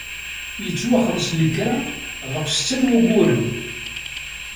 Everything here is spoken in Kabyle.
Yettwaxleṣ lekra ɣef setta n wayyuren.